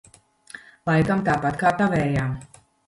Laikam tāpat kā tavējā?